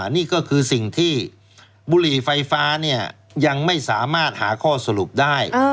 นี่ก็คือสิ่งที่บุหรี่ไฟฟ้ายังไม่สามารถหาข้อสรุปได้